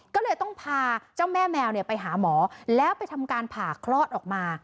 ก็เลยต้องพาเจ้าแม่แมวไปหาหมอแล้วไปทำการผ่าคลอดออกมา